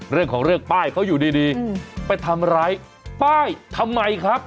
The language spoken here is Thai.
เรื่องของเรื่องป้ายเขาอยู่ดีไปทำร้ายป้ายทำไมครับ